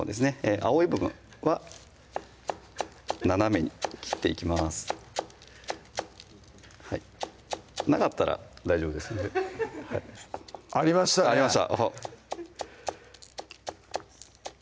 青い部分は斜めに切っていきますなかったら大丈夫ですのでありましたねありました？